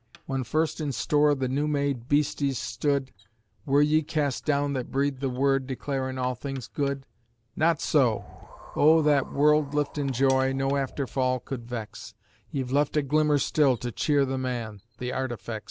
When first in store the new made beasties stood, Were ye cast down that breathed the Word declarin' all things good? Not so! O' that world liftin' joy no after fall could vex, Ye've left a glimmer still to cheer the Man the Artifex!